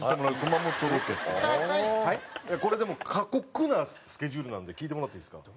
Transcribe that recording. これでも過酷なスケジュールなので聞いてもらっていいですか？